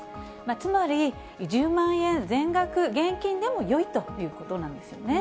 つまり、１０万円全額現金でもよいということなんですよね。